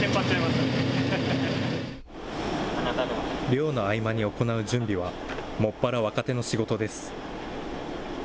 漁の合間に行う準備は、専ら、若手の仕事です。